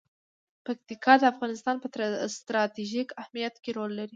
پکتیکا د افغانستان په ستراتیژیک اهمیت کې رول لري.